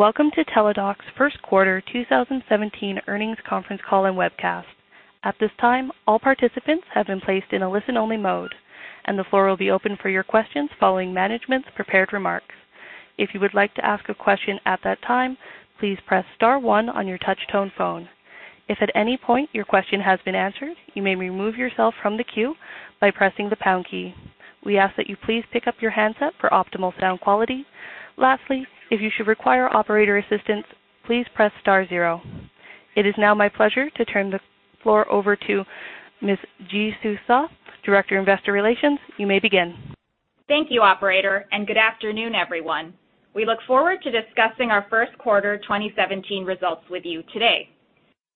Welcome to Teladoc's first quarter 2017 earnings conference call and webcast. At this time, all participants have been placed in a listen-only mode, and the floor will be open for your questions following management's prepared remarks. If you would like to ask a question at that time, please press star one on your touch-tone phone. If at any point your question has been answered, you may remove yourself from the queue by pressing the pound key. We ask that you please pick up your handset for optimal sound quality. Lastly, if you should require operator assistance, please press star zero. It is now my pleasure to turn the floor over to Ms. Jisoo Suh, Director, Investor Relations. You may begin. Thank you, operator, and good afternoon, everyone. We look forward to discussing our first quarter 2017 results with you today.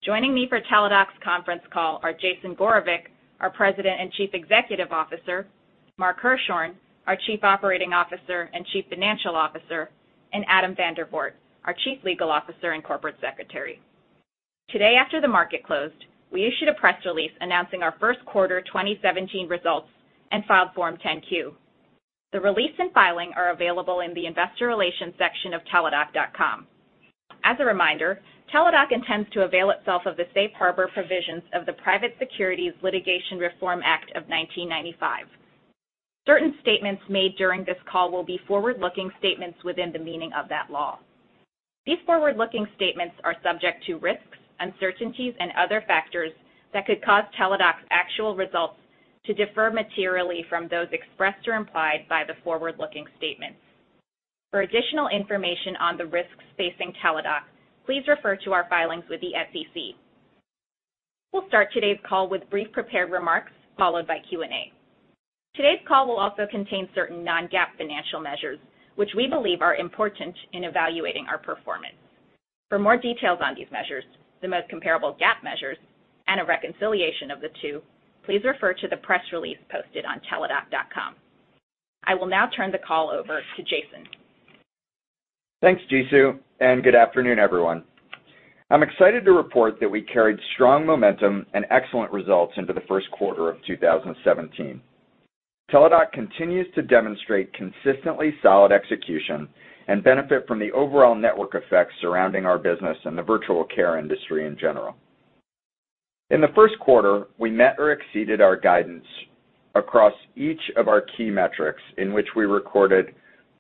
Joining me for Teladoc's conference call are Jason Gorevic, our President and Chief Executive Officer, Mark Hirschhorn, our Chief Operating Officer and Chief Financial Officer, and Adam Vandervoort, our Chief Legal Officer and Corporate Secretary. Today after the market closed, we issued a press release announcing our first quarter 2017 results and filed Form 10-Q. The release and filing are available in the investor relations section of teladoc.com. As a reminder, Teladoc intends to avail itself of the safe harbor provisions of the Private Securities Litigation Reform Act of 1995. Certain statements made during this call will be forward-looking statements within the meaning of that law. These forward-looking statements are subject to risks, uncertainties, and other factors that could cause Teladoc's actual results to differ materially from those expressed or implied by the forward-looking statements. For additional information on the risks facing Teladoc, please refer to our filings with the SEC. We'll start today's call with brief prepared remarks, followed by Q&A. Today's call will also contain certain non-GAAP financial measures, which we believe are important in evaluating our performance. For more details on these measures, the most comparable GAAP measures, and a reconciliation of the two, please refer to the press release posted on teladoc.com. I will now turn the call over to Jason. Thanks, Jisoo, and good afternoon, everyone. I'm excited to report that we carried strong momentum and excellent results into the first quarter of 2017. Teladoc continues to demonstrate consistently solid execution and benefit from the overall network effects surrounding our business and the virtual care industry in general. In the first quarter, we met or exceeded our guidance across each of our key metrics in which we recorded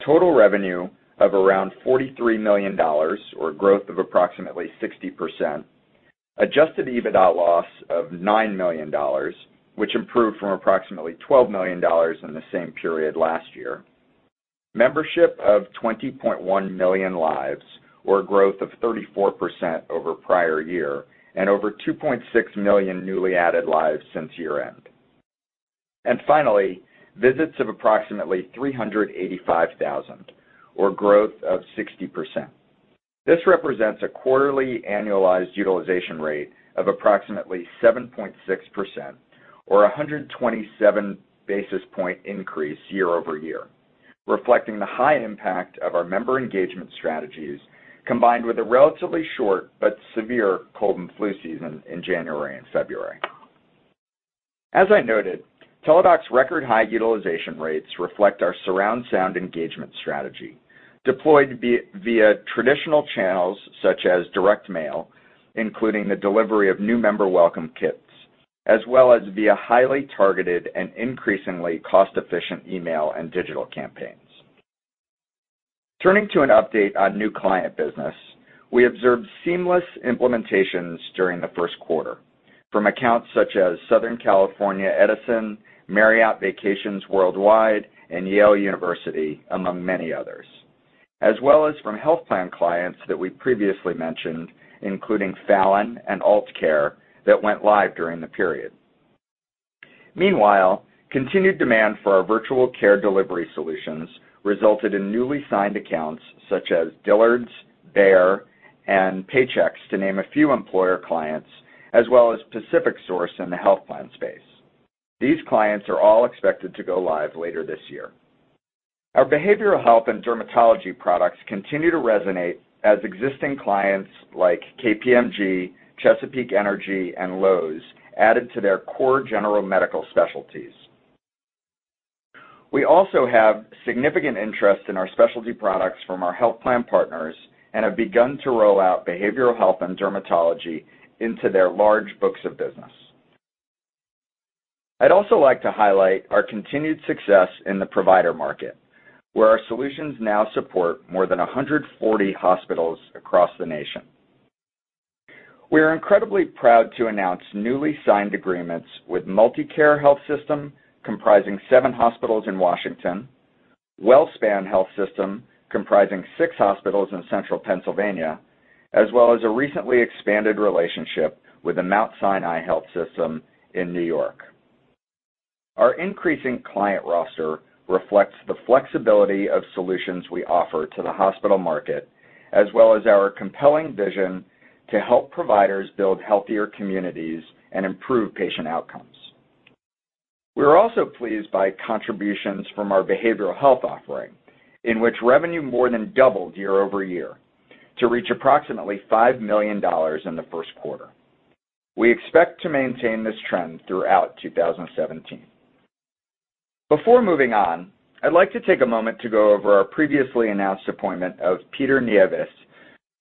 total revenue of around $43 million, or growth of approximately 60%, adjusted EBITDA loss of $9 million, which improved from approximately $12 million in the same period last year, membership of 20.1 million lives, or growth of 34% over prior year, and over 2.6 million newly added lives since year-end. Finally, visits of approximately 385,000, or growth of 60%. This represents a quarterly annualized utilization rate of approximately 7.6%, or 127 basis point increase year-over-year, reflecting the high impact of our member engagement strategies, combined with a relatively short but severe cold and flu season in January and February. As I noted, Teladoc's record high utilization rates reflect our surround sound engagement strategy, deployed via traditional channels such as direct mail, including the delivery of new member welcome kits, as well as via highly targeted and increasingly cost-efficient email and digital campaigns. Turning to an update on new client business, we observed seamless implementations during the first quarter from accounts such as Southern California Edison, Marriott Vacations Worldwide, and Yale University, among many others, as well as from health plan clients that we previously mentioned, including Fallon and AultCare, that went live during the period. Continued demand for our virtual care delivery solutions resulted in newly signed accounts such as Dillard's, Bayer, and Paychex, to name a few employer clients, as well as PacificSource in the health plan space. These clients are all expected to go live later this year. Our behavioral health and dermatology products continue to resonate as existing clients like KPMG, Chesapeake Energy, and Lowe's added to their core general medical specialties. We also have significant interest in our specialty products from our health plan partners and have begun to roll out behavioral health and dermatology into their large books of business. I'd also like to highlight our continued success in the provider market, where our solutions now support more than 140 hospitals across the nation. We are incredibly proud to announce newly signed agreements with MultiCare Health System, comprising seven hospitals in Washington, WellSpan Health, comprising six hospitals in central Pennsylvania, as well as a recently expanded relationship with the Mount Sinai Health System in New York. Our increasing client roster reflects the flexibility of solutions we offer to the hospital market, as well as our compelling vision to help providers build healthier communities and improve patient outcomes. We are also pleased by contributions from our behavioral health offering, in which revenue more than doubled year-over-year to reach approximately $5 million in the first quarter. We expect to maintain this trend throughout 2017. Before moving on, I'd like to take a moment to go over our previously announced appointment of Peter Nieves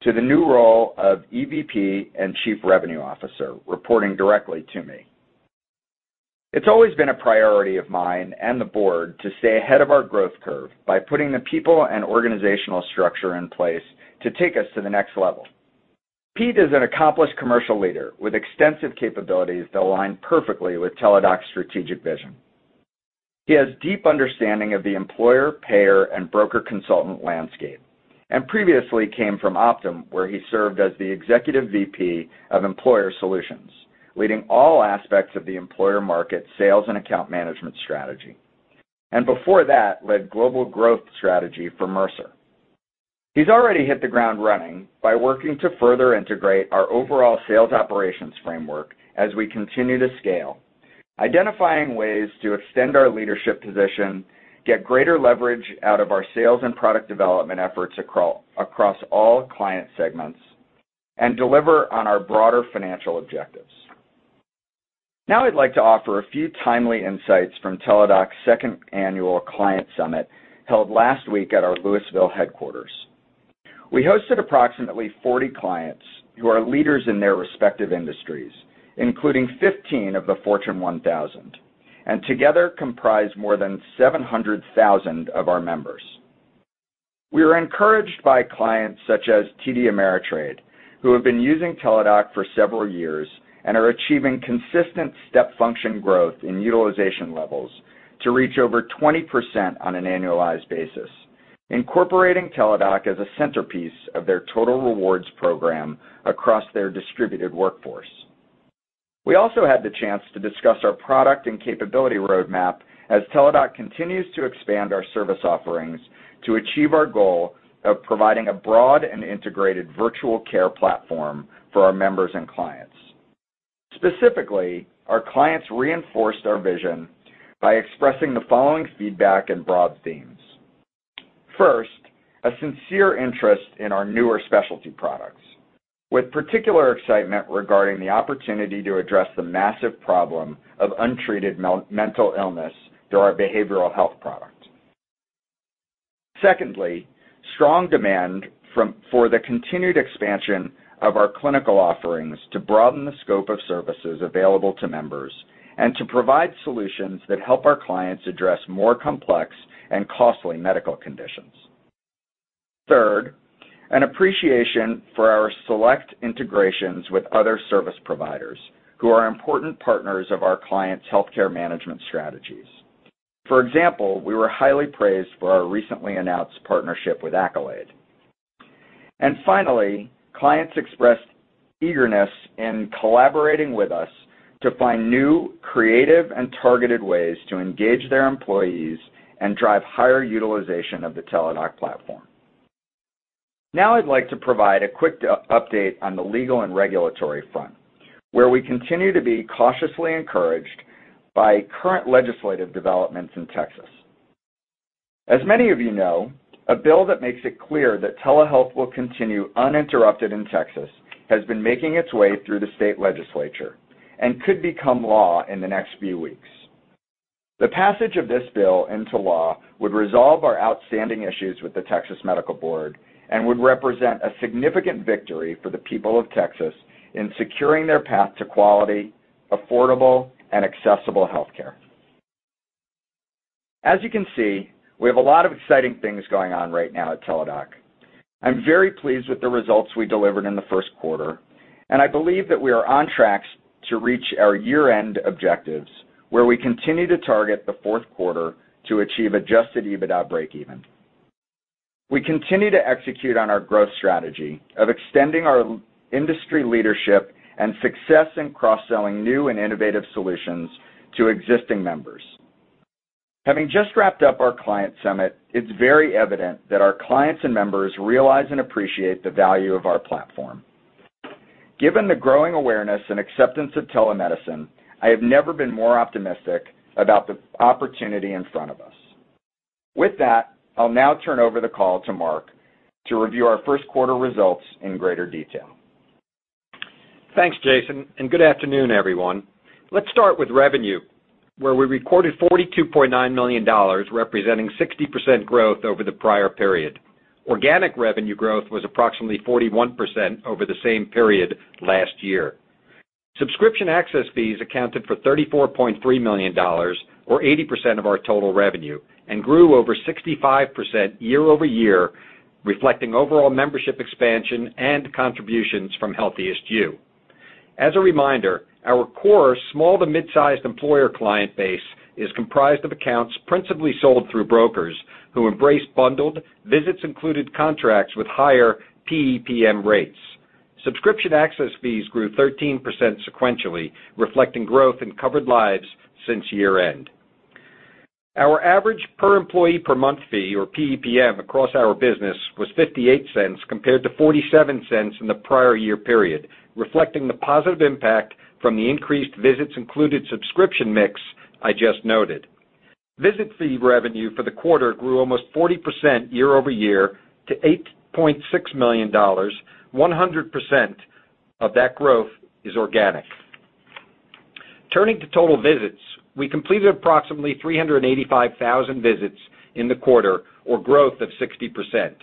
to the new role of EVP and Chief Revenue Officer, reporting directly to me. It's always been a priority of mine and the board to stay ahead of our growth curve by putting the people and organizational structure in place to take us to the next level. Pete is an accomplished commercial leader with extensive capabilities that align perfectly with Teladoc's strategic vision. He has deep understanding of the employer, payer, and broker consultant landscape, and previously came from Optum, where he served as the Executive VP of Employer Solutions, leading all aspects of the employer market, sales and account management strategy. Before that, led global growth strategy for Mercer. He's already hit the ground running by working to further integrate our overall sales operations framework as we continue to scale, identifying ways to extend our leadership position, get greater leverage out of our sales and product development efforts across all client segments, and deliver on our broader financial objectives. Now I'd like to offer a few timely insights from Teladoc's second annual client summit, held last week at our Lewisville headquarters. We hosted approximately 40 clients, who are leaders in their respective industries, including 15 of the Fortune 1000, and together comprise more than 700,000 of our members. We are encouraged by clients such as TD Ameritrade, who have been using Teladoc for several years and are achieving consistent step function growth in utilization levels to reach over 20% on an annualized basis, incorporating Teladoc as a centerpiece of their total rewards program across their distributed workforce. We also had the chance to discuss our product and capability roadmap as Teladoc continues to expand our service offerings to achieve our goal of providing a broad and integrated virtual care platform for our members and clients. Specifically, our clients reinforced our vision by expressing the following feedback and broad themes. First, a sincere interest in our newer specialty products, with particular excitement regarding the opportunity to address the massive problem of untreated mental illness through our behavioral health product. Secondly, strong demand for the continued expansion of our clinical offerings to broaden the scope of services available to members and to provide solutions that help our clients address more complex and costly medical conditions. Third, an appreciation for our select integrations with other service providers who are important partners of our clients' healthcare management strategies. For example, we were highly praised for our recently announced partnership with Accolade. Finally, clients expressed eagerness in collaborating with us to find new, creative, and targeted ways to engage their employees and drive higher utilization of the Teladoc platform. Now I'd like to provide a quick update on the legal and regulatory front, where we continue to be cautiously encouraged by current legislative developments in Texas. As many of you know, a bill that makes it clear that telehealth will continue uninterrupted in Texas has been making its way through the state legislature and could become law in the next few weeks. The passage of this bill into law would resolve our outstanding issues with the Texas Medical Board and would represent a significant victory for the people of Texas in securing their path to quality, affordable, and accessible healthcare. As you can see, we have a lot of exciting things going on right now at Teladoc. I'm very pleased with the results we delivered in the first quarter, and I believe that we are on track to reach our year-end objectives, where we continue to target the fourth quarter to achieve adjusted EBITDA breakeven. We continue to execute on our growth strategy of extending our industry leadership and success in cross-selling new and innovative solutions to existing members. Having just wrapped up our client summit, it's very evident that our clients and members realize and appreciate the value of our platform. Given the growing awareness and acceptance of telemedicine, I have never been more optimistic about the opportunity in front of us. With that, I'll now turn over the call to Mark to review our first quarter results in greater detail. Thanks, Jason, good afternoon, everyone. Let's start with revenue, where we recorded $42.9 million, representing 60% growth over the prior period. Organic revenue growth was approximately 41% over the same period last year. Subscription access fees accounted for $34.3 million, or 80% of our total revenue, and grew over 65% year-over-year, reflecting overall membership expansion and contributions from HealthiestYou. As a reminder, our core small to mid-sized employer client base is comprised of accounts principally sold through brokers who embrace bundled visits included contracts with higher PEPM rates. Subscription access fees grew 13% sequentially, reflecting growth in covered lives since year end. Our average per employee per month fee, or PEPM, across our business was $0.58 compared to $0.47 in the prior year period, reflecting the positive impact from the increased visits included subscription mix I just noted. Visit fee revenue for the quarter grew almost 40% year-over-year to $8.6 million. 100% of that growth is organic. Turning to total visits, we completed approximately 385,000 visits in the quarter or growth of 60%.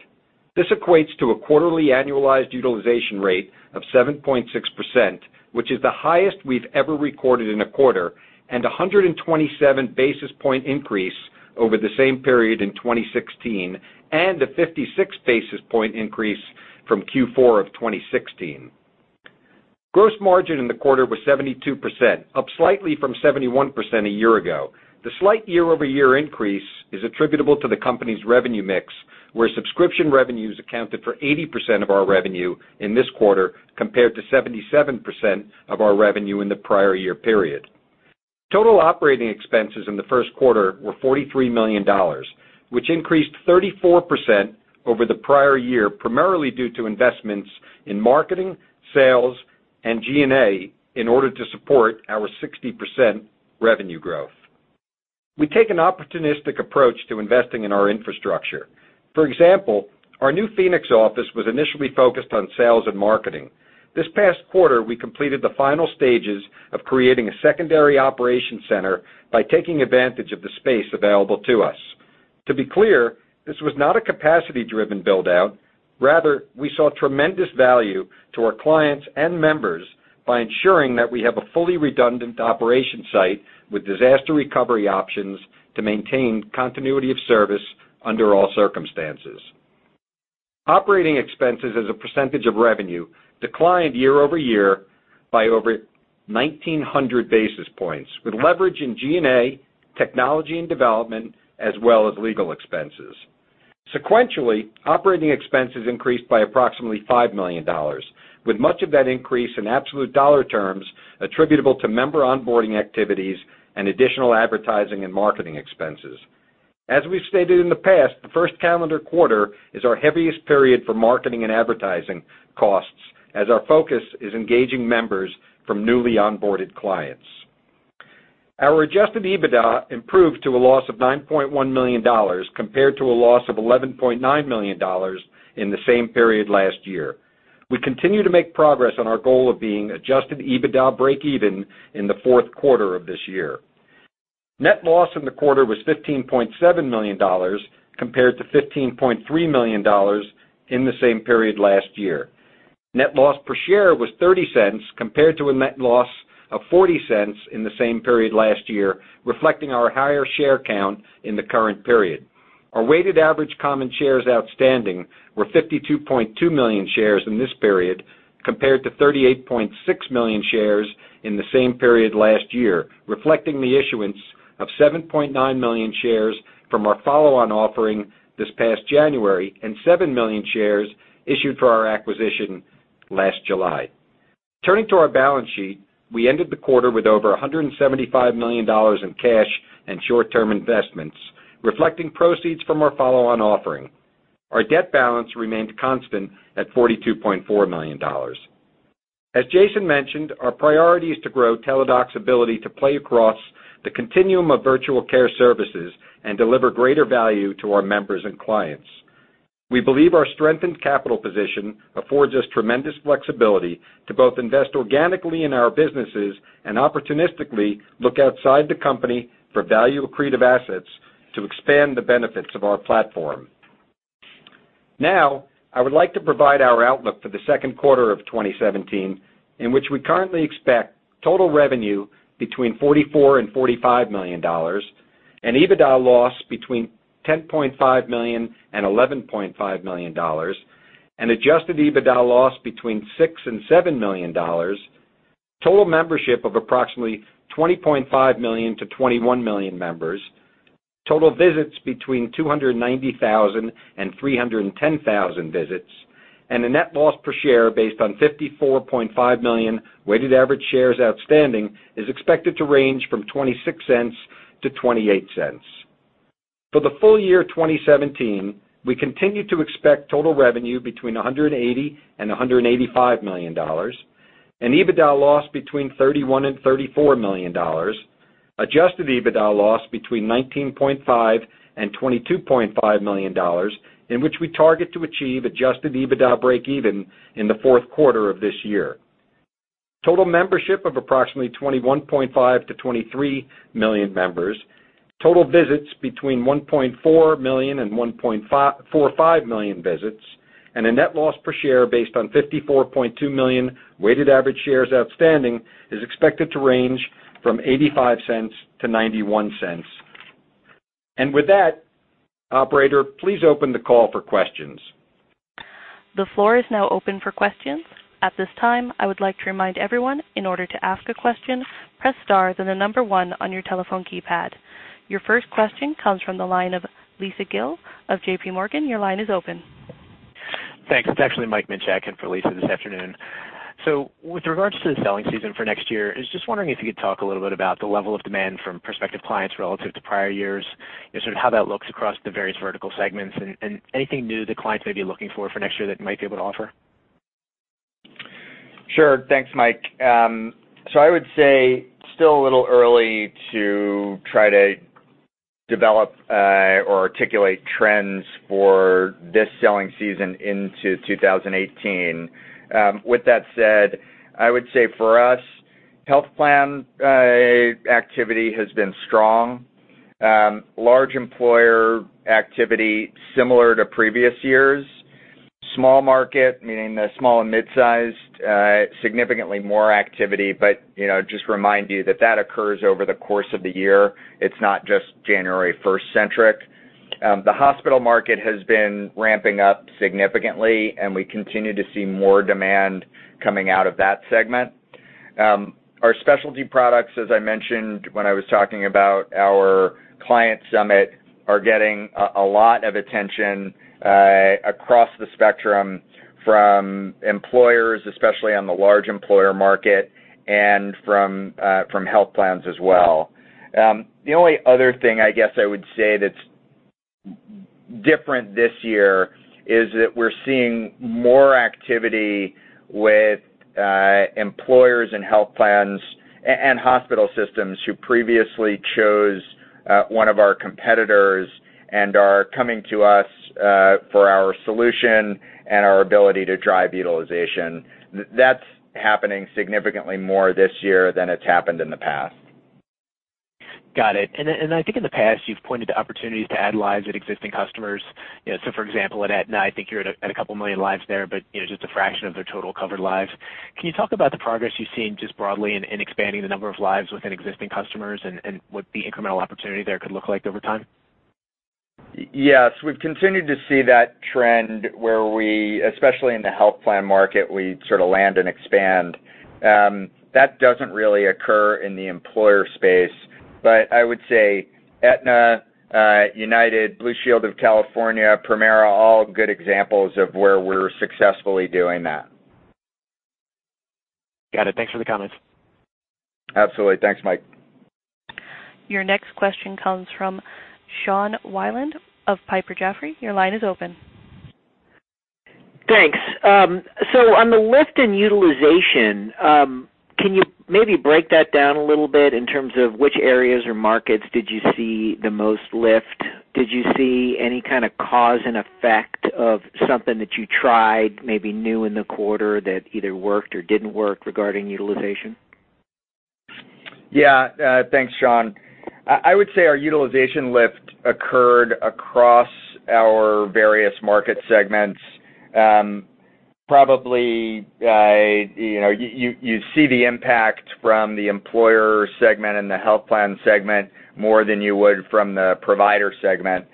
This equates to a quarterly annualized utilization rate of 7.6%, which is the highest we've ever recorded in a quarter, 127 basis point increase over the same period in 2016, and a 56 basis point increase from Q4 of 2016. Gross margin in the quarter was 72%, up slightly from 71% a year ago. The slight year-over-year increase is attributable to the company's revenue mix, where subscription revenues accounted for 80% of our revenue in this quarter, compared to 77% of our revenue in the prior year period. Total operating expenses in the first quarter were $43 million, which increased 34% over the prior year, primarily due to investments in marketing, sales, and G&A in order to support our 60% revenue growth. We take an opportunistic approach to investing in our infrastructure. For example, our new Phoenix office was initially focused on sales and marketing. This past quarter, we completed the final stages of creating a secondary operation center by taking advantage of the space available to us. To be clear, this was not a capacity-driven build-out. Rather, we saw tremendous value to our clients and members by ensuring that we have a fully redundant operation site with disaster recovery options to maintain continuity of service under all circumstances. Operating expenses as a percentage of revenue declined year-over-year by over 1,900 basis points, with leverage in G&A, technology and development, as well as legal expenses. Sequentially, operating expenses increased by approximately $5 million, with much of that increase in absolute dollar terms attributable to member onboarding activities and additional advertising and marketing expenses. As we've stated in the past, the first calendar quarter is our heaviest period for marketing and advertising costs, as our focus is engaging members from newly onboarded clients. Our adjusted EBITDA improved to a loss of $9.1 million, compared to a loss of $11.9 million in the same period last year. We continue to make progress on our goal of being adjusted EBITDA breakeven in the fourth quarter of this year. Net loss in the quarter was $15.7 million, compared to $15.3 million in the same period last year. Net loss per share was $0.30, compared to a net loss of $0.40 in the same period last year, reflecting our higher share count in the current period. Our weighted average common shares outstanding were 52.2 million shares in this period, compared to 38.6 million shares in the same period last year, reflecting the issuance of 7.9 million shares from our follow-on offering this past January and 7 million shares issued for our acquisition last July. Turning to our balance sheet, we ended the quarter with over $175 million in cash and short-term investments, reflecting proceeds from our follow-on offering. Our debt balance remained constant at $42.4 million. As Jason mentioned, our priority is to grow Teladoc's ability to play across the continuum of virtual care services and deliver greater value to our members and clients. We believe our strengthened capital position affords us tremendous flexibility to both invest organically in our businesses and opportunistically look outside the company for value accretive assets to expand the benefits of our platform. I would like to provide our outlook for the second quarter of 2017, in which we currently expect total revenue between $44 million and $45 million, an EBITDA loss between $10.5 million and $11.5 million, an adjusted EBITDA loss between $6 million and $7 million, total membership of approximately 20.5 million to 21 million members, total visits between 290,000 and 310,000 visits, and a net loss per share based on 54.5 million weighted average shares outstanding is expected to range from $0.26 to $0.28. For the full year 2017, we continue to expect total revenue between $180 million and $185 million, an EBITDA loss between $31 million and $34 million, adjusted EBITDA loss between $19.5 million and $22.5 million in which we target to achieve adjusted EBITDA breakeven in the fourth quarter of this year. Total membership of approximately 21.5 to 23 million members, total visits between 1.4 million and 1.45 million visits, and a net loss per share based on 54.2 million weighted average shares outstanding is expected to range from $0.85 to $0.91. With that, operator, please open the call for questions. The floor is now open for questions. At this time, I would like to remind everyone, in order to ask a question, press star, then the number 1 on your telephone keypad. Your first question comes from the line of Lisa Gill of JPMorgan. Your line is open. Thanks. It's actually Michael Minchak in for Lisa this afternoon. With regards to the selling season for next year, I was just wondering if you could talk a little bit about the level of demand from prospective clients relative to prior years and sort of how that looks across the various vertical segments and anything new that clients may be looking for for next year that might be able to offer. Sure. Thanks, Mike. I would say still a little early to try to develop or articulate trends for this selling season into 2018. With that said, I would say for us, health plan activity has been strong. Large employer activity similar to previous years. Small market, meaning the small and mid-sized, significantly more activity, but just remind you that that occurs over the course of the year. It's not just January 1st-centric. The hospital market has been ramping up significantly, and we continue to see more demand coming out of that segment. Our specialty products, as I mentioned, when I was talking about our client summit, are getting a lot of attention across the spectrum from employers, especially on the large employer market, and from health plans as well. The only other thing I guess I would say that's different this year is that we're seeing more activity with employers and health plans and hospital systems who previously chose one of our competitors and are coming to us for our solution and our ability to drive utilization. That's happening significantly more this year than it's happened in the past. Got it. I think in the past, you've pointed to opportunities to add lives at existing customers. For example, at Aetna, I think you're at a couple million lives there, but just a fraction of their total covered lives. Can you talk about the progress you've seen just broadly in expanding the number of lives within existing customers and what the incremental opportunity there could look like over time? Yes. We've continued to see that trend where we, especially in the health plan market, we sort of land and expand. That doesn't really occur in the employer space. I would say Aetna, United, Blue Shield of California, Premera, all good examples of where we're successfully doing that. Got it. Thanks for the comments. Absolutely. Thanks, Mike. Your next question comes from Sean Wieland of Piper Jaffray. Your line is open. Thanks. On the lift in utilization, can you maybe break that down a little bit in terms of which areas or markets did you see the most lift? Did you see any kind of cause and effect of something that you tried, maybe new in the quarter, that either worked or didn't work regarding utilization? Thanks, Sean. I would say our utilization lift occurred across our various market segments. Probably, you see the impact from the employer segment and the health plan segment more than you would from the provider segment.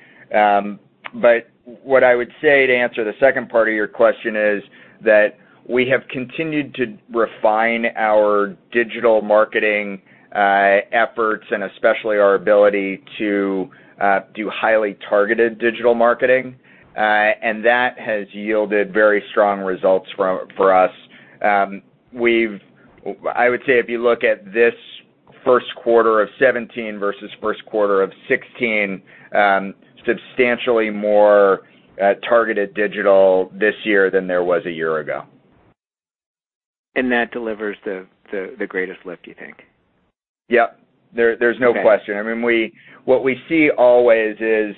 What I would say to answer the second part of your question is that we have continued to refine our digital marketing efforts, and especially our ability to do highly targeted digital marketing. That has yielded very strong results for us. I would say if you look at this first quarter of 2017 versus first quarter of 2016, substantially more targeted digital this year than there was a year ago. That delivers the greatest lift, you think? Yep. There's no question. Okay. What we see always is,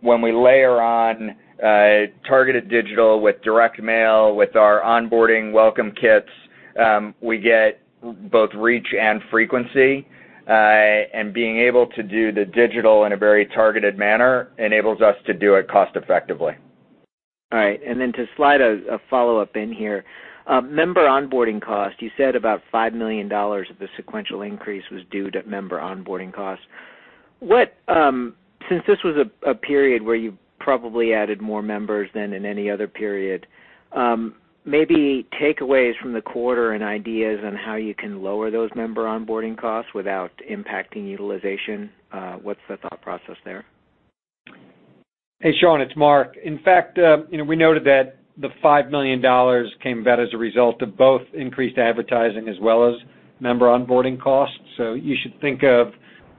when we layer on targeted digital with direct mail, with our onboarding welcome kits, we get both reach and frequency. Being able to do the digital in a very targeted manner enables us to do it cost effectively. All right. Then to slide a follow-up in here. Member onboarding cost, you said about $5 million of the sequential increase was due to member onboarding costs. Since this was a period where you probably added more members than in any other period, maybe takeaways from the quarter and ideas on how you can lower those member onboarding costs without impacting utilization, what's the thought process there? Hey, Sean, it's Mark. In fact, we noted that the $5 million came about as a result of both increased advertising as well as member onboarding costs. You should think of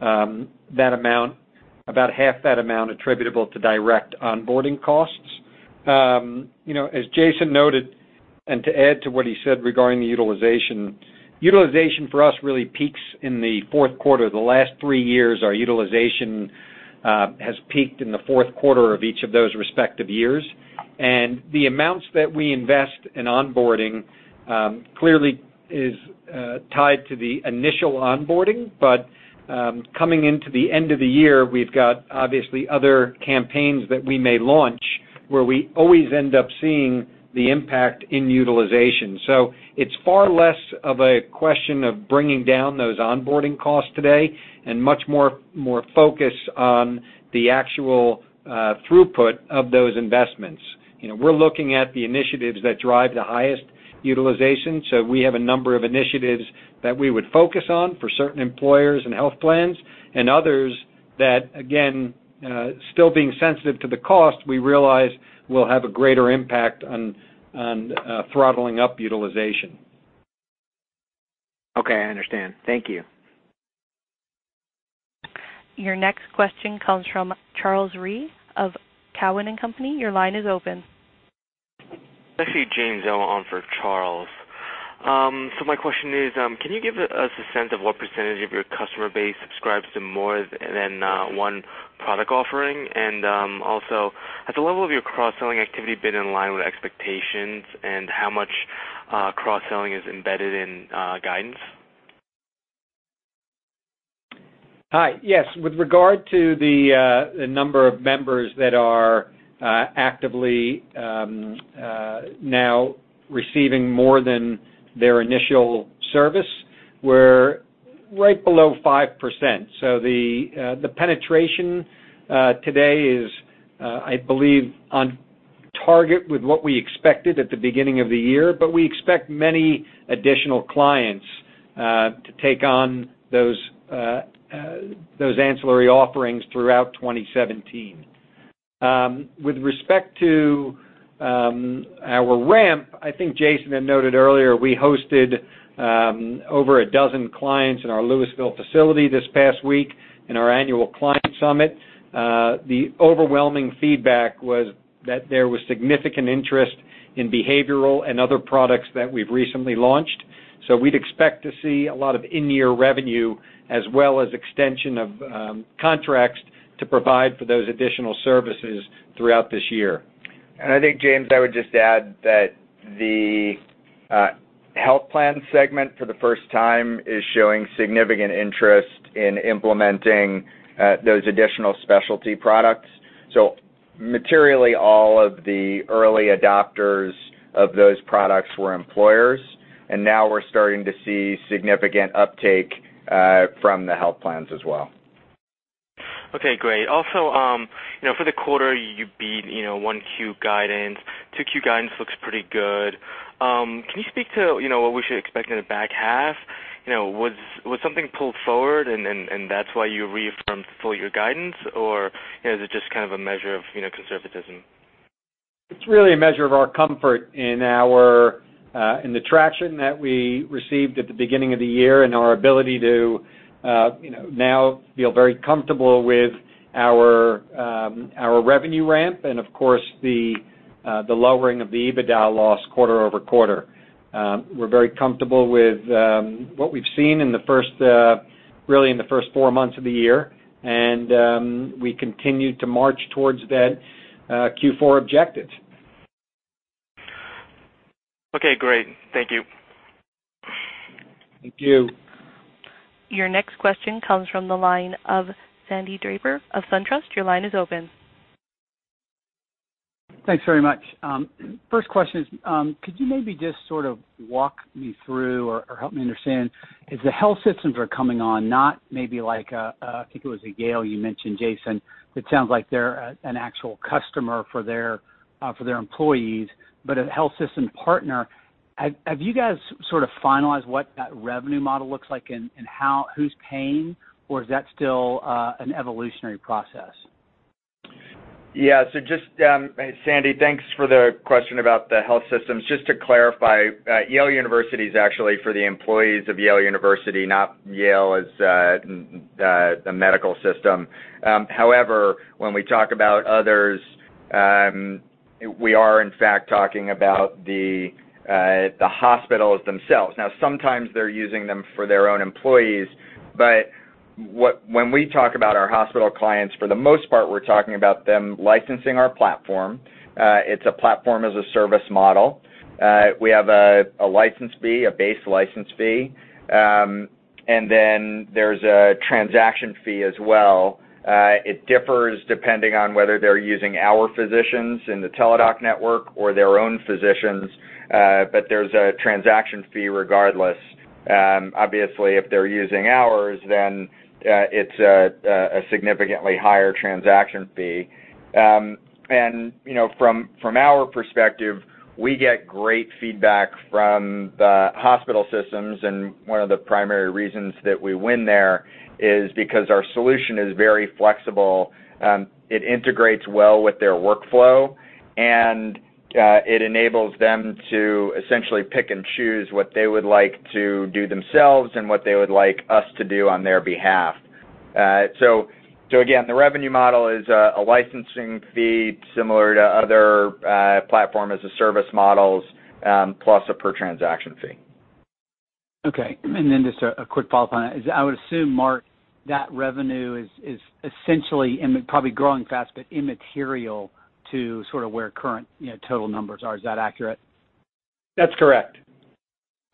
about half that amount attributable to direct onboarding costs. As Jason noted, to add to what he said regarding the utilization for us really peaks in the fourth quarter. The last three years, our utilization has peaked in the fourth quarter of each of those respective years. The amounts that we invest in onboarding clearly is tied to the initial onboarding. Coming into the end of the year, we've got, obviously, other campaigns that we may launch where we always end up seeing the impact in utilization. It's far less of a question of bringing down those onboarding costs today, and much more focused on the actual throughput of those investments. We're looking at the initiatives that drive the highest utilization. We have a number of initiatives that we would focus on for certain employers and health plans, and others that, again, still being sensitive to the cost, we realize will have a greater impact on throttling up utilization. Okay, I understand. Thank you. Your next question comes from Charles Rhyee of Cowen and Company. Your line is open. Actually, James El on for Charles. My question is, can you give us a sense of what % of your customer base subscribes to more than one product offering? Also, has the level of your cross-selling activity been in line with expectations, and how much cross-selling is embedded in guidance? Hi. Yes. With regard to the number of members that are actively now receiving more than their initial service, we're right below 5%. The penetration today is, I believe, on target with what we expected at the beginning of the year, but we expect many additional clients to take on those ancillary offerings throughout 2017. With respect to our ramp, I think Jason had noted earlier, we hosted over a dozen clients in our Lewisville facility this past week in our annual client summit. The overwhelming feedback was that there was significant interest in behavioral and other products that we've recently launched. We'd expect to see a lot of in-year revenue, as well as extension of contracts to provide for those additional services throughout this year. I think, James, I would just add that the health plan segment for the first time is showing significant interest in implementing those additional specialty products. Materially, all of the early adopters of those products were employers, and now we're starting to see significant uptake from the health plans as well. Okay, great. Also, for the quarter you beat 1Q guidance. 2Q guidance looks pretty good. Can you speak to what we should expect in the back half? Was something pulled forward, and that's why you reaffirmed full-year guidance, or is it just kind of a measure of conservatism? It's really a measure of our comfort in the traction that we received at the beginning of the year and our ability to now feel very comfortable with our revenue ramp and of course, the lowering of the EBITDA loss quarter-over-quarter. We're very comfortable with what we've seen really in the first four months of the year, and we continue to march towards that Q4 objective. Okay, great. Thank you. Thank you. Your next question comes from the line of Sandy Draper of SunTrust. Your line is open. Thanks very much. First question is, could you maybe just sort of walk me through or help me understand as the health systems are coming on, not maybe like, I think it was Yale you mentioned, Jason, it sounds like they're an actual customer for their employees, but a health system partner. Have you guys sort of finalized what that revenue model looks like and who's paying, or is that still an evolutionary process? Yeah. Sandy, thanks for the question about the health systems. Just to clarify, Yale University is actually for the employees of Yale University, not Yale as the medical system. However, when we talk about others, we are in fact talking about the hospitals themselves. Now, sometimes they're using them for their own employees. When we talk about our hospital clients, for the most part, we're talking about them licensing our platform. It's a platform as a service model. We have a license fee, a base license fee, and then there's a transaction fee as well. It differs depending on whether they're using our physicians in the Teladoc network or their own physicians. There's a transaction fee regardless. Obviously, if they're using ours, then it's a significantly higher transaction fee. From our perspective, we get great feedback from the hospital systems, and one of the primary reasons that we win there is because our solution is very flexible. It integrates well with their workflow, and it enables them to essentially pick and choose what they would like to do themselves and what they would like us to do on their behalf. Again, the revenue model is a licensing fee similar to other platform as a service models, plus a per transaction fee. Okay. Then just a quick follow-up on it. I would assume, Mark, that revenue is essentially probably growing fast, but immaterial to sort of where current total numbers are. Is that accurate? That's correct.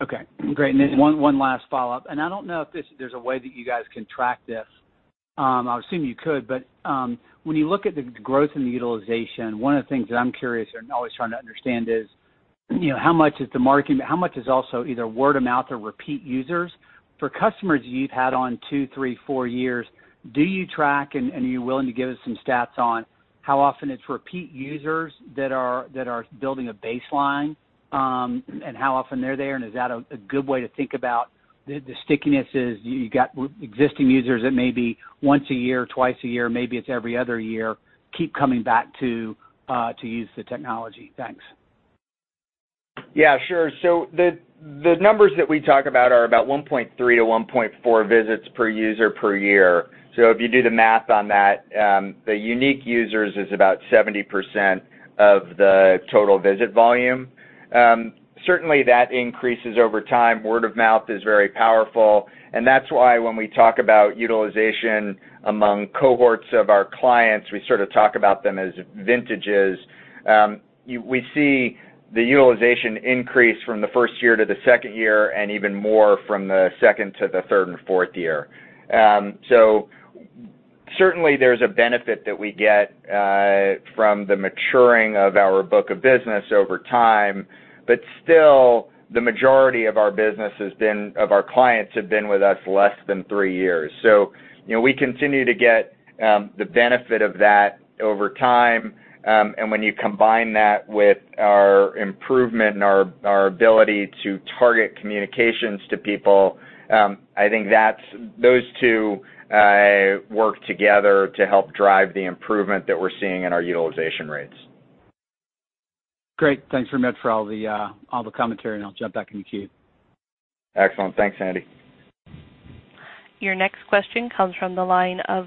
Okay, great. One last follow-up, I don't know if there's a way that you guys can track this. I would assume you could, but when you look at the growth in the utilization, one of the things that I'm curious and always trying to understand is how much is also either word of mouth or repeat users. For customers you've had on two, three, four years, do you track and are you willing to give us some stats on how often it's repeat users that are building a baseline, and how often they're there, and is that a good way to think about the stickiness is you got existing users that maybe once a year, twice a year, maybe it's every other year, keep coming back to use the technology? Thanks. Yeah, sure. The numbers that we talk about are about 1.3-1.4 visits per user per year. If you do the math on that, the unique users is about 70% of the total visit volume. Certainly, that increases over time. Word of mouth is very powerful, and that's why when we talk about utilization among cohorts of our clients, we sort of talk about them as vintages. We see the utilization increase from the first year to the second year, and even more from the second to the third and fourth year. Certainly, there's a benefit that we get from the maturing of our book of business over time. Still, the majority of our clients have been with us less than three years. We continue to get the benefit of that over time, when you combine that with our improvement in our ability to target communications to people, I think those two work together to help drive the improvement that we're seeing in our utilization rates. Great. Thanks very much for all the commentary, I'll jump back in the queue. Excellent. Thanks, Sandy. Your next question comes from the line of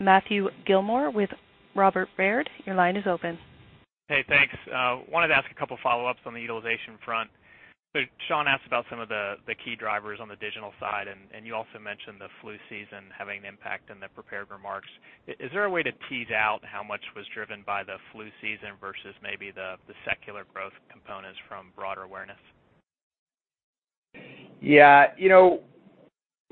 Matthew Gilmore with Robert Baird. Your line is open. Hey, thanks. I wanted to ask a couple of follow-ups on the utilization front. Sean asked about some of the key drivers on the digital side, and you also mentioned the flu season having an impact in the prepared remarks. Is there a way to tease out how much was driven by the flu season versus maybe the secular growth components from broader awareness? Yeah.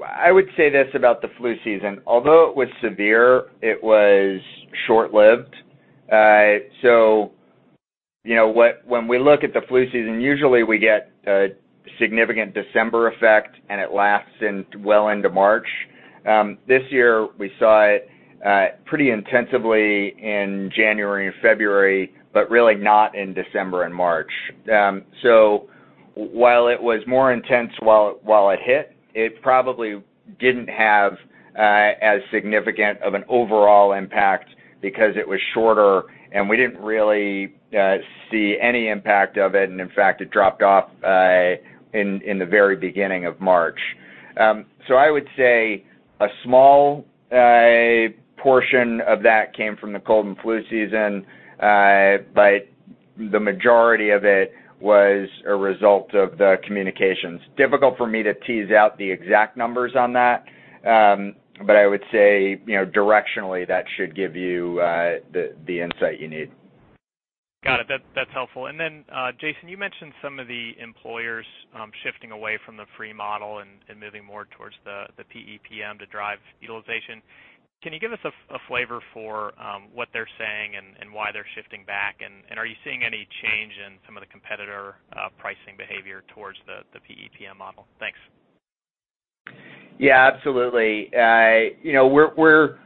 I would say this about the flu season. Although it was severe, it was short-lived. When we look at the flu season, usually we get a significant December effect, and it lasts well into March. This year, we saw it pretty intensively in January and February, but really not in December and March. While it was more intense while it hit, it probably didn't have as significant of an overall impact because it was shorter, and we didn't really see any impact of it, and in fact, it dropped off in the very beginning of March. I would say a small portion of that came from the cold and flu season, but the majority of it was a result of the communications. Difficult for me to tease out the exact numbers on that, but I would say directionally, that should give you the insight you need. Got it. That's helpful. Jason, you mentioned some of the employers shifting away from the free model and moving more towards the PEPM to drive utilization. Can you give us a flavor for what they're saying and why they're shifting back, and are you seeing any change in some of the competitor pricing behavior towards the PEPM model? Thanks. Yeah, absolutely. We're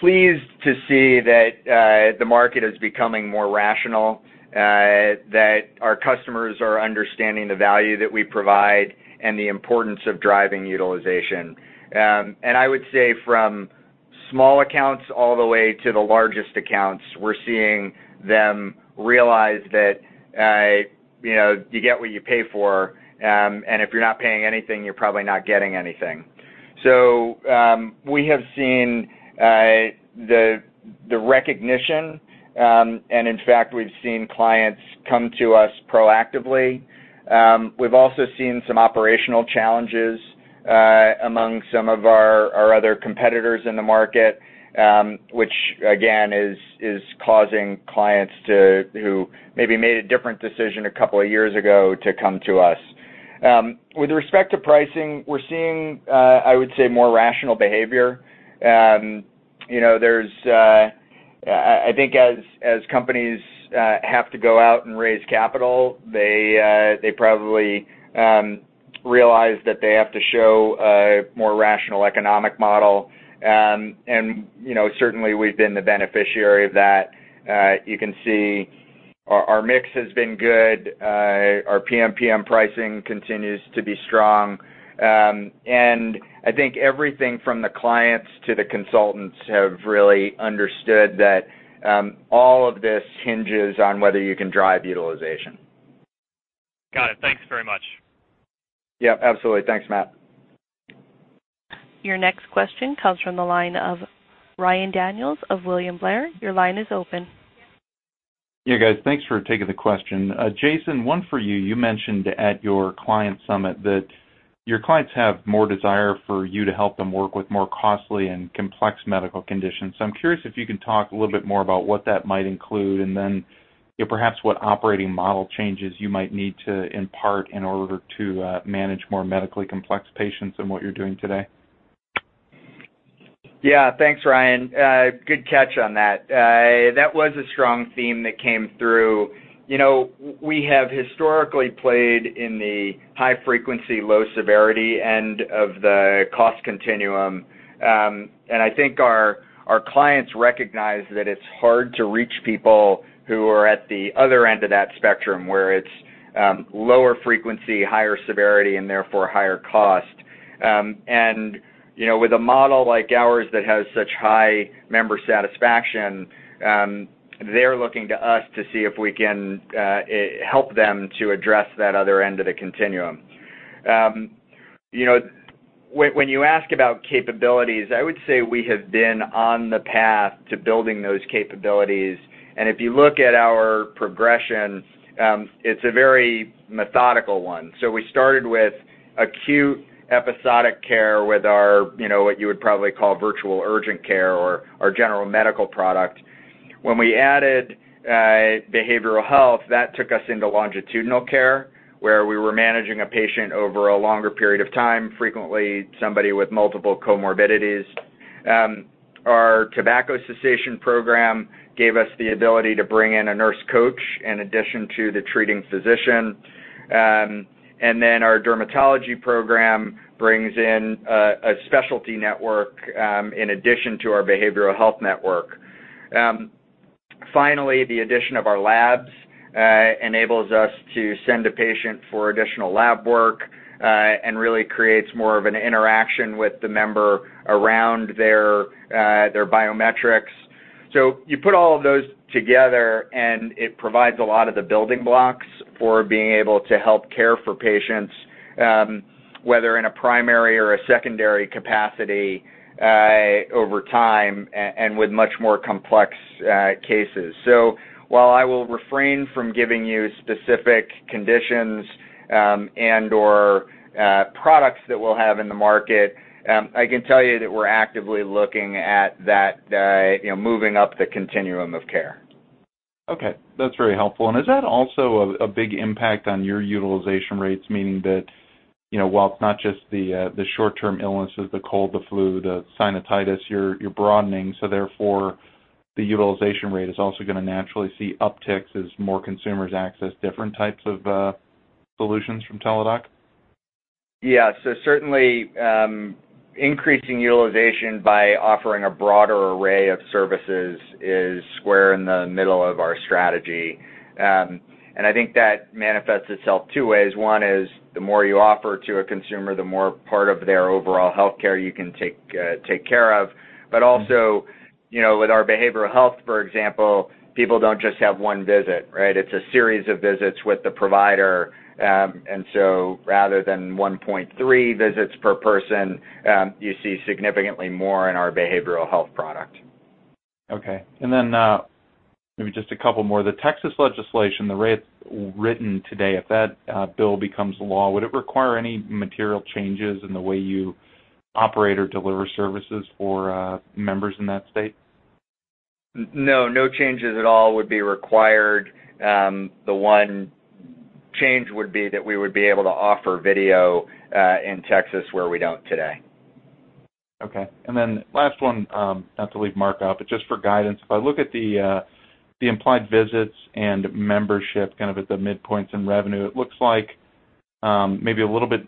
pleased to see that the market is becoming more rational, that our customers are understanding the value that we provide and the importance of driving utilization. I would say from small accounts all the way to the largest accounts, we're seeing them realize that you get what you pay for, and if you're not paying anything, you're probably not getting anything. We have seen the recognition, and in fact, we've seen clients come to us proactively. We've also seen some operational challenges among some of our other competitors in the market, which again, is causing clients who maybe made a different decision a couple of years ago to come to us. With respect to pricing, we're seeing, I would say, more rational behavior. I think as companies have to go out and raise capital, they probably realize that they have to show a more rational economic model, certainly, we've been the beneficiary of that. You can see our mix has been good. Our PMPM pricing continues to be strong. I think everything from the clients to the consultants have really understood that all of this hinges on whether you can drive utilization. Got it. Thanks very much. Yeah, absolutely. Thanks, Matt. Your next question comes from the line of Ryan Daniels of William Blair. Your line is open. Yeah, guys. Thanks for taking the question. Jason, one for you. You mentioned at your client summit that your clients have more desire for you to help them work with more costly and complex medical conditions. I'm curious if you can talk a little bit more about what that might include, and then perhaps what operating model changes you might need to impart in order to manage more medically complex patients than what you're doing today. Yeah. Thanks, Ryan. Good catch on that. That was a strong theme that came through. We have historically played in the high frequency, low severity end of the cost continuum. I think our clients recognize that it's hard to reach people who are at the other end of that spectrum, where it's lower frequency, higher severity, and therefore higher cost. With a model like ours that has such high member satisfaction, they're looking to us to see if we can help them to address that other end of the continuum. When you ask about capabilities, I would say we have been on the path to building those capabilities, and if you look at our progression, it's a very methodical one. We started with acute episodic care with our, what you would probably call virtual urgent care or our general medical product. When we added behavioral health, that took us into longitudinal care, where we were managing a patient over a longer period of time, frequently somebody with multiple comorbidities. Our tobacco cessation program gave us the ability to bring in a nurse coach in addition to the treating physician. Our dermatology program brings in a specialty network, in addition to our behavioral health network. The addition of our labs enables us to send a patient for additional lab work and really creates more of an interaction with the member around their biometrics. You put all of those together, and it provides a lot of the building blocks for being able to help care for patients, whether in a primary or a secondary capacity, over time and with much more complex cases. While I will refrain from giving you specific conditions and/or products that we'll have in the market, I can tell you that we're actively looking at moving up the continuum of care. Okay. That's very helpful. Is that also a big impact on your utilization rates, meaning that, while it's not just the short-term illnesses, the cold, the flu, the sinusitis, you're broadening, so therefore, the utilization rate is also going to naturally see upticks as more consumers access different types of solutions from Teladoc? Yeah. Certainly, increasing utilization by offering a broader array of services is square in the middle of our strategy. I think that manifests itself two ways. One is the more you offer to a consumer, the more part of their overall healthcare you can take care of. Also, with our behavioral health, for example, people don't just have one visit, right? It's a series of visits with the provider. Rather than 1.3 visits per person, you see significantly more in our behavioral health product. Okay. Then, maybe just a couple more. The Texas legislation, the way it's written today, if that bill becomes law, would it require any material changes in the way you operate or deliver services for members in that state? No. No changes at all would be required. The one change would be that we would be able to offer video in Texas where we don't today. Okay. Then last one, not to leave Mark out, but just for guidance. If I look at the implied visits and membership, kind of at the midpoints in revenue, it looks like maybe a little bit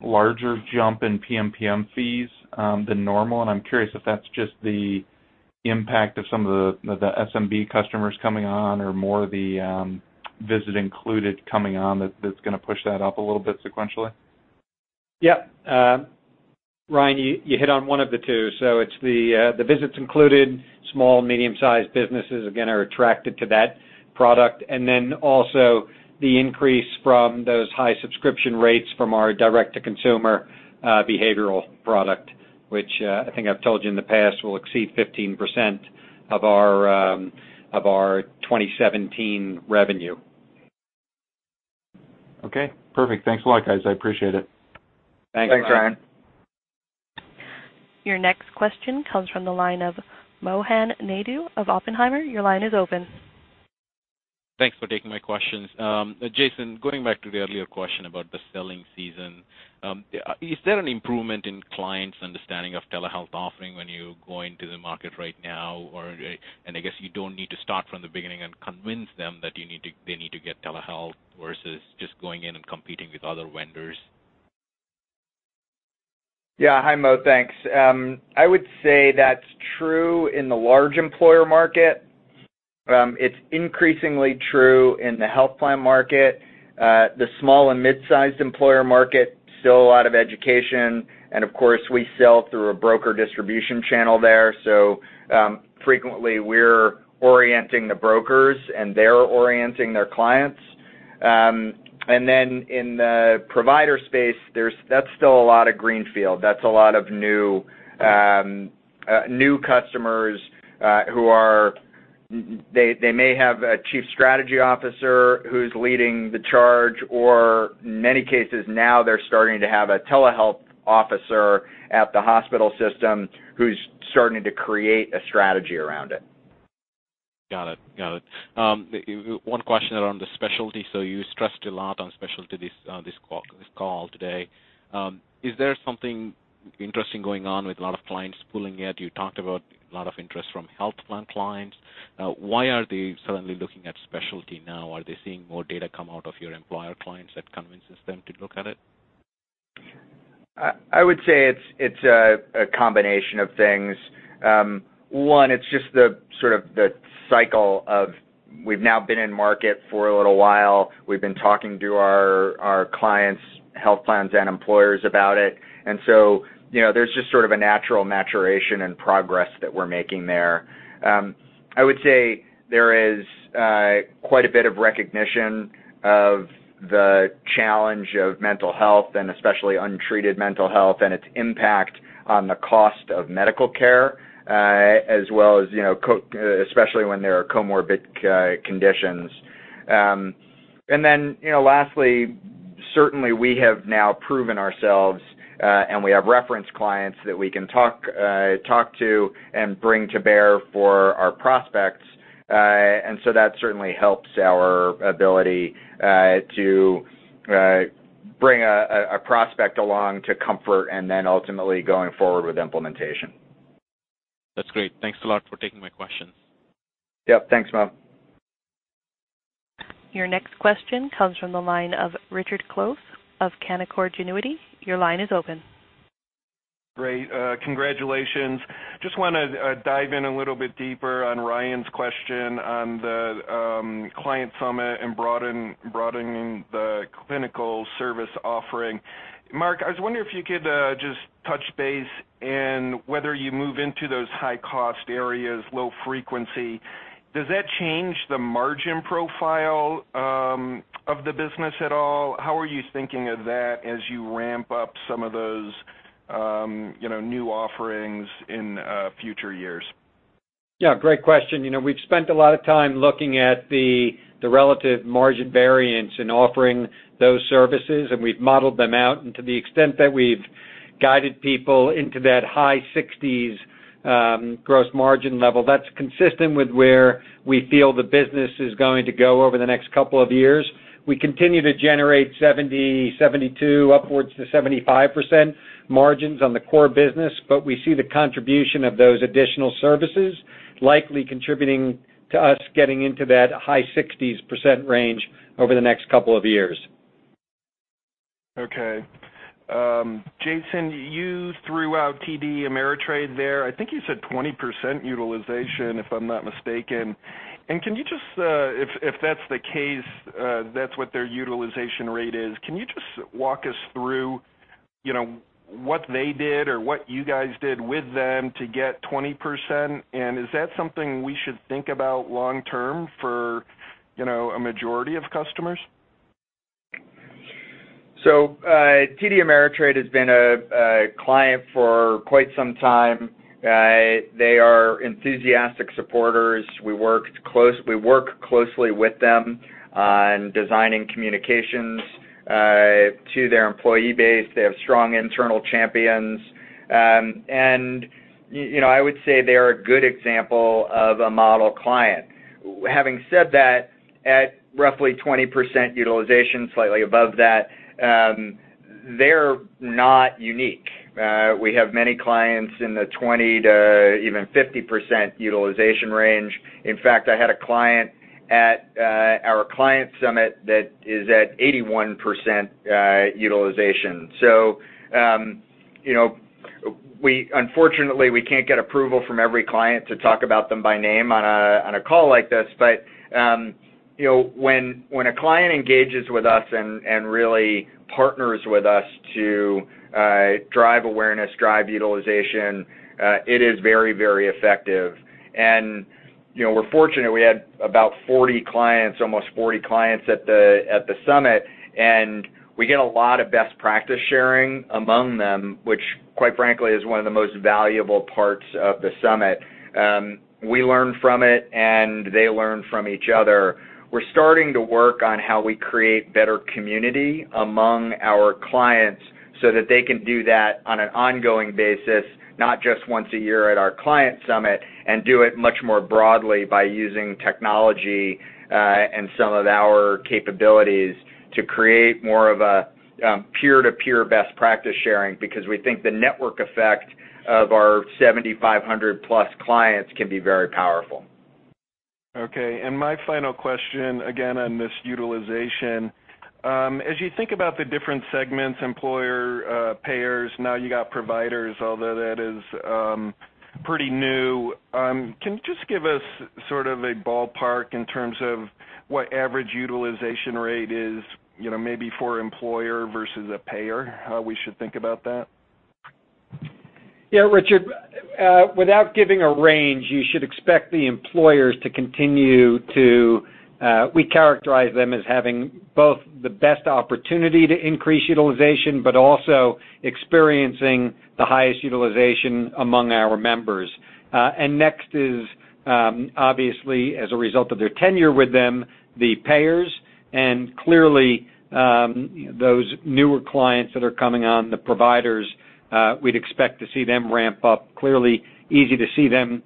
larger jump in PMPM fees than normal, and I'm curious if that's just the impact of some of the SMB customers coming on or more of the visit included coming on that's going to push that up a little bit sequentially. Yep. Ryan, you hit on one of the two. It's the visits included. Small, medium-sized businesses, again, are attracted to that product. Then also the increase from those high subscription rates from our direct-to-consumer behavioral product, which I think I've told you in the past, will exceed 15% of our 2017 revenue. Okay, perfect. Thanks a lot, guys. I appreciate it. Thanks, Ryan. Thanks, Ryan. Your next question comes from the line of Mohan Naidu of Oppenheimer. Your line is open. Thanks for taking my questions. Jason, going back to the earlier question about the selling season, is there an improvement in clients' understanding of telehealth offering when you go into the market right now? I guess you don't need to start from the beginning and convince them that they need to get telehealth versus just going in and competing with other vendors? Yeah. Hi, Mo. Thanks. I would say that's true in the large employer market. It's increasingly true in the health plan market. The small and mid-sized employer market, still a lot of education. Of course, we sell through a broker distribution channel there. Frequently, we're orienting the brokers, they're orienting their clients. In the provider space, that's still a lot of greenfield. That's a lot of new customers. They may have a chief strategy officer who's leading the charge, or in many cases now, they're starting to have a telehealth officer at the hospital system who's starting to create a strategy around it. Got it. One question around the specialty. You stressed a lot on specialty this call today. Is there something interesting going on with a lot of clients pooling yet? You talked about a lot of interest from health plan clients. Why are they suddenly looking at specialty now? Are they seeing more data come out of your employer clients that convinces them to look at it? I would say it's a combination of things. One, it's just the sort of the cycle of We've now been in market for a little while. We've been talking to our clients, health plans, and employers about it. There's just sort of a natural maturation and progress that we're making there. I would say there is quite a bit of recognition of the challenge of mental health, and especially untreated mental health and its impact on the cost of medical care, as well as, especially when there are comorbid conditions. Lastly, certainly we have now proven ourselves, and we have reference clients that we can talk to and bring to bear for our prospects. That certainly helps our ability to bring a prospect along to comfort and then ultimately going forward with implementation. That's great. Thanks a lot for taking my questions. Yep. Thanks, man. Your next question comes from the line of Richard Close of Canaccord Genuity. Your line is open. Great. Congratulations. Just want to dive in a little bit deeper on Ryan's question on the client summit and broadening the clinical service offering. Mark, I was wondering if you could just touch base in whether you move into those high-cost areas, low frequency. Does that change the margin profile of the business at all? How are you thinking of that as you ramp up some of those new offerings in future years? Yeah, great question. We've spent a lot of time looking at the relative margin variance in offering those services, and we've modeled them out. To the extent that we've guided people into that high 60s% gross margin level, that's consistent with where we feel the business is going to go over the next couple of years. We continue to generate 70%, 72%, upwards to 75% margins on the core business, but we see the contribution of those additional services likely contributing to us getting into that high 60s% range over the next couple of years. Okay. Jason, you threw out TD Ameritrade there. I think you said 20% utilization, if I'm not mistaken. Can you just, if that's the case, that's what their utilization rate is, can you just walk us through what they did or what you guys did with them to get 20%? Is that something we should think about long term for a majority of customers? TD Ameritrade has been a client for quite some time. They are enthusiastic supporters. We work closely with them on designing communications to their employee base. They have strong internal champions. I would say they're a good example of a model client. Having said that, at roughly 20% utilization, slightly above that, they're not unique. We have many clients in the 20%-50% utilization range. In fact, I had a client at our client summit that is at 81% utilization. Unfortunately, we can't get approval from every client to talk about them by name on a call like this. When a client engages with us and really partners with us to drive awareness, drive utilization, it is very effective. We're fortunate, we had about 40 clients, almost 40 clients at the summit, and we get a lot of best practice sharing among them, which quite frankly is one of the most valuable parts of the summit. We learn from it, and they learn from each other. We're starting to work on how we create better community among our clients so that they can do that on an ongoing basis, not just once a year at our client summit, and do it much more broadly by using technology and some of our capabilities to create more of a peer-to-peer best practice sharing, because we think the network effect of our 7,500-plus clients can be very powerful. Okay. My final question, again, on this utilization. As you think about the different segments, employer payers, now you got providers, although that is pretty new, can you just give us sort of a ballpark in terms of what average utilization rate is maybe for employer versus a payer? How we should think about that? Yeah, Richard, without giving a range, you should expect the employers to We characterize them as having both the best opportunity to increase utilization, but also experiencing the highest utilization among our members. Next is, obviously, as a result of their tenure with them, the payers, and clearly, those newer clients that are coming on, the providers, we'd expect to see them ramp up. Clearly, easy to see them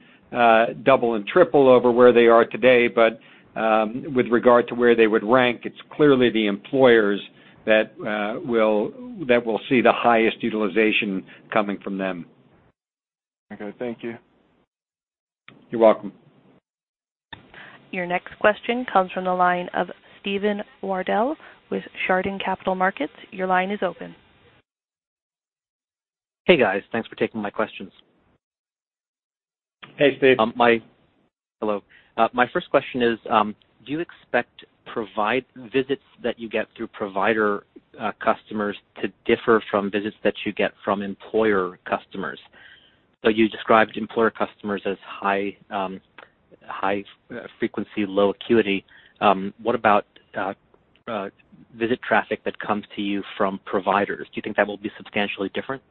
double and triple over where they are today. With regard to where they would rank, it's clearly the employers that we'll see the highest utilization coming from them. Okay. Thank you. You're welcome. Your next question comes from the line of Steve Wardell with Chardan Capital Markets. Your line is open Hey, guys. Thanks for taking my questions. Hey, Steve. Hello. My first question is, do you expect visits that you get through provider customers to differ from visits that you get from employer customers? You described employer customers as high frequency, low acuity. What about visit traffic that comes to you from providers? Do you think that will be substantially different?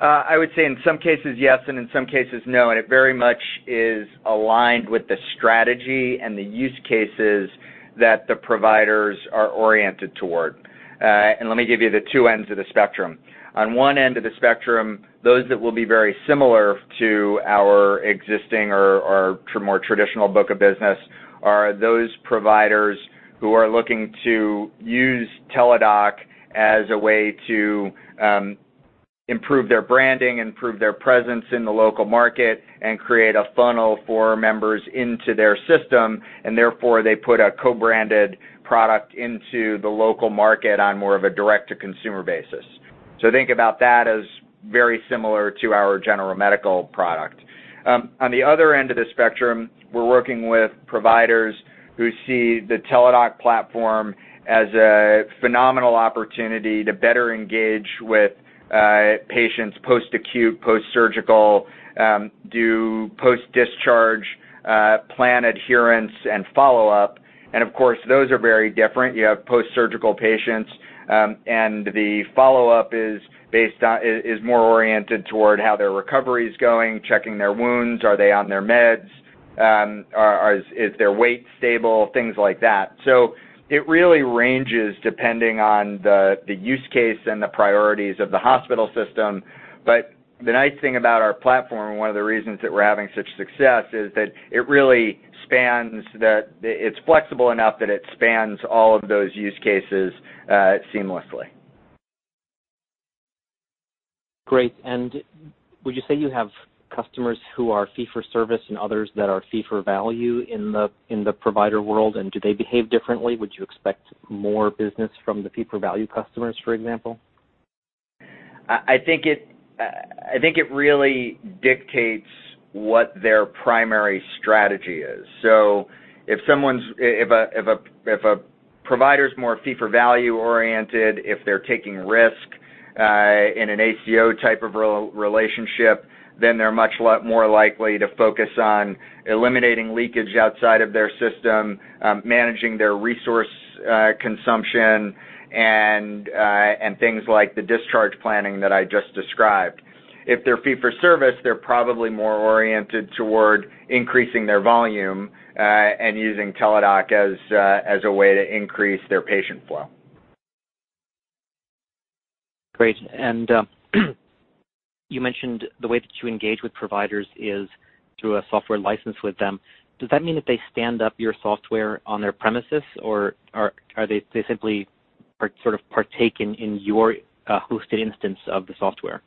I would say in some cases yes and in some cases no. It very much is aligned with the strategy and the use cases that the providers are oriented toward. Let me give you the two ends of the spectrum. On one end of the spectrum, those that will be very similar to our existing or more traditional book of business are those providers who are looking to use Teladoc as a way to improve their branding, improve their presence in the local market, and create a funnel for members into their system. Therefore, they put a co-branded product into the local market on more of a direct-to-consumer basis. Think about that as very similar to our general medical product. On the other end of the spectrum, we're working with providers who see the Teladoc platform as a phenomenal opportunity to better engage with patients post-acute, post-surgical, do post-discharge plan adherence and follow-up. Of course, those are very different. You have post-surgical patients. The follow-up is more oriented toward how their recovery is going, checking their wounds, are they on their meds, is their weight stable, things like that. It really ranges depending on the use case and the priorities of the hospital system. The nice thing about our platform, and one of the reasons that we're having such success, is that it's flexible enough that it spans all of those use cases seamlessly. Great. Would you say you have customers who are fee-for-service and others that are fee-for-value in the provider world? Do they behave differently? Would you expect more business from the fee-for-value customers, for example? I think it really dictates what their primary strategy is. If a provider is more fee-for-value oriented, if they're taking risk in an ACO type of relationship, then they're much more likely to focus on eliminating leakage outside of their system, managing their resource consumption, and things like the discharge planning that I just described. If they're fee-for-service, they're probably more oriented toward increasing their volume and using Teladoc as a way to increase their patient flow. Great. You mentioned the way that you engage with providers is through a software license with them. Does that mean that they stand up your software on their premises or they simply sort of partake in your hosted instance of the software?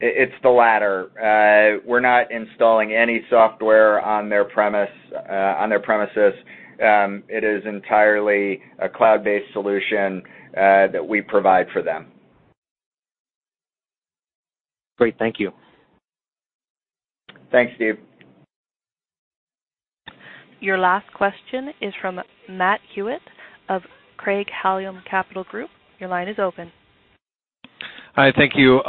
It's the latter. We're not installing any software on their premises. It is entirely a cloud-based solution that we provide for them. Great. Thank you. Thanks, Steve. Your last question is from Matt Hewitt of Craig-Hallum Capital Group. Your line is open. Hi. Thank you.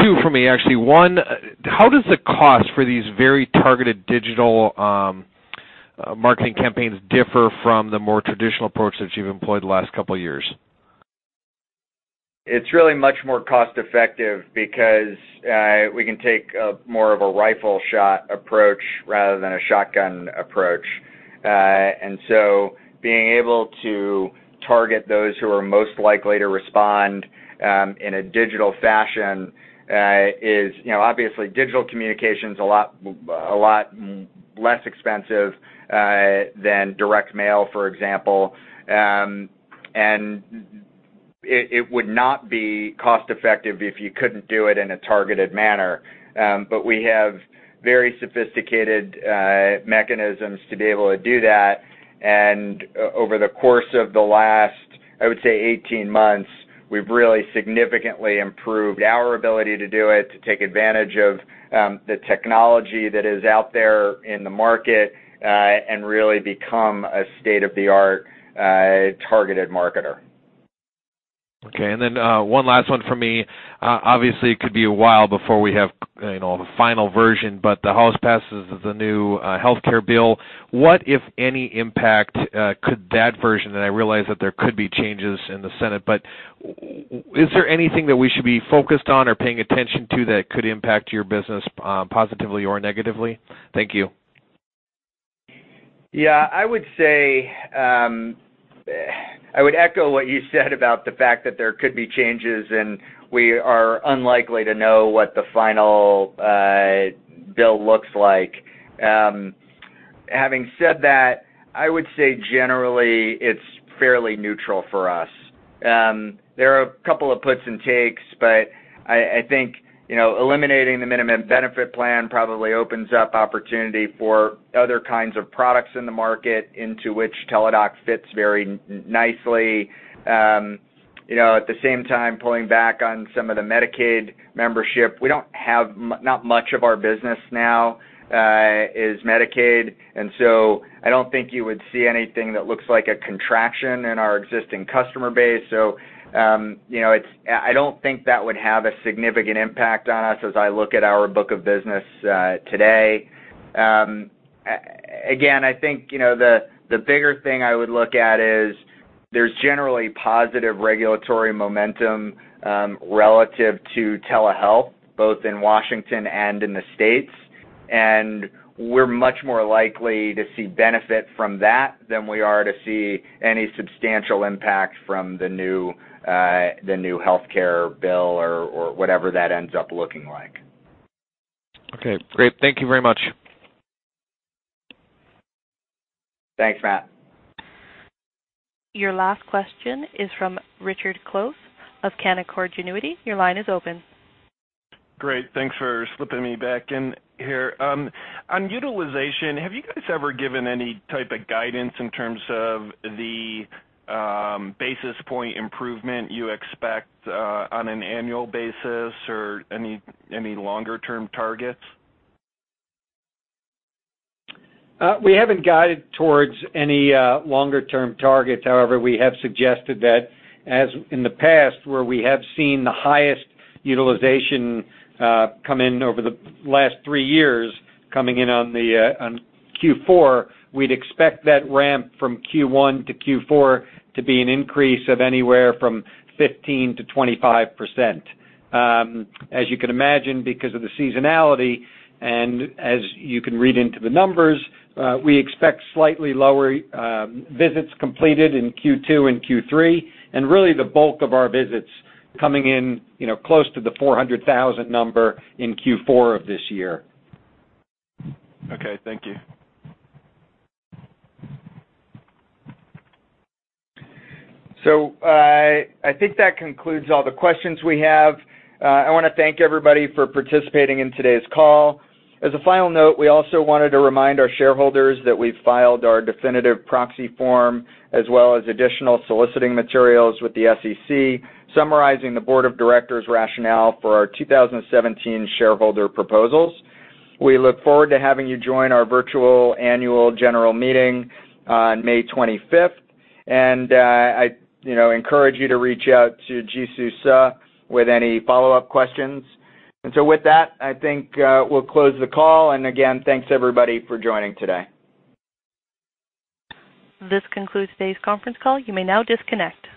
Two from me, actually. One, how does the cost for these very targeted digital marketing campaigns differ from the more traditional approach that you've employed the last couple of years? It's really much more cost-effective because we can take more of a rifle shot approach rather than a shotgun approach. Being able to target those who are most likely to respond in a digital fashion is, obviously, digital communication's a lot less expensive than direct mail, for example. It would not be cost-effective if you couldn't do it in a targeted manner. We have very sophisticated mechanisms to be able to do that. Over the course of the last, I would say, 18 months, we've really significantly improved our ability to do it, to take advantage of the technology that is out there in the market, and really become a state-of-the-art targeted marketer. Okay, one last one from me. Obviously, it could be a while before we have the final version, the House passes the new healthcare bill. What, if any, impact could that version, and I realize that there could be changes in the Senate, is there anything that we should be focused on or paying attention to that could impact your business positively or negatively? Thank you. Yeah, I would echo what you said about the fact that there could be changes. We are unlikely to know what the final bill looks like. Having said that, I would say generally it's fairly neutral for us. There are a couple of puts and takes, but I think eliminating the minimum benefit plan probably opens up opportunity for other kinds of products in the market into which Teladoc fits very nicely. At the same time, pulling back on some of the Medicaid membership, not much of our business now is Medicaid. I don't think you would see anything that looks like a contraction in our existing customer base. I don't think that would have a significant impact on us as I look at our book of business today. I think, the bigger thing I would look at is there's generally positive regulatory momentum relative to telehealth, both in Washington and in the States. We're much more likely to see benefit from that than we are to see any substantial impact from the new healthcare bill or whatever that ends up looking like. Okay, great. Thank you very much. Thanks, Matt. Your last question is from Richard Close of Canaccord Genuity. Your line is open. Great. Thanks for slipping me back in here. On utilization, have you guys ever given any type of guidance in terms of the basis point improvement you expect on an annual basis or any longer-term targets? We haven't guided towards any longer-term targets. However, we have suggested that as in the past, where we have seen the highest utilization come in over the last three years, coming in on Q4, we'd expect that ramp from Q1 to Q4 to be an increase of anywhere from 15%-25%. As you can imagine, because of the seasonality, and as you can read into the numbers, we expect slightly lower visits completed in Q2 and Q3, and really the bulk of our visits coming in close to the 400,000 number in Q4 of this year. Okay, thank you. I think that concludes all the questions we have. I wanna thank everybody for participating in today's call. As a final note, we also wanted to remind our shareholders that we've filed our definitive proxy form as well as additional soliciting materials with the SEC summarizing the board of directors' rationale for our 2017 shareholder proposals. We look forward to having you join our virtual annual general meeting on May 25th, and I encourage you to reach out to Jisoo Suh with any follow-up questions. With that, I think we'll close the call. Again, thanks everybody for joining today. This concludes today's conference call. You may now disconnect.